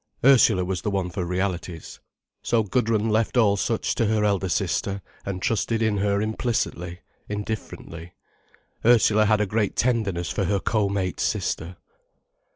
Ursula was the one for realities. So Gudrun left all such to her elder sister, and trusted in her implicitly, indifferently. Ursula had a great tenderness for her co mate sister.